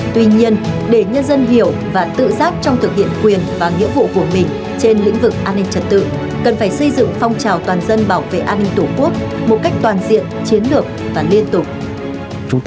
tuy nhiên để nhân dân hiểu và tự giác trong thực hiện quyền và nghĩa vụ của mình trên lĩnh vực an ninh trật tự